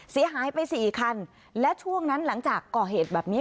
เสียหายไปสี่คันและช่วงนั้นหลังจากก่อเหตุแบบนี้